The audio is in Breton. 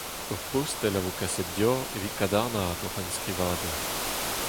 Ur postel a vo kaset deoc'h evit kadarnaat hoc'h enskrivadur.